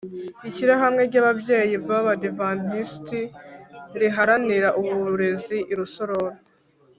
Ishyirahamwe ry ababyeyi b abadivantisiti riharanira uburezi i rusororo